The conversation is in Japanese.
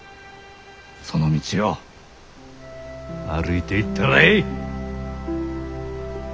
その道を歩いていったらえい！